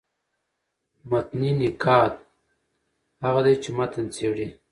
متني نقاد هغه دﺉ، چي متن څېړي.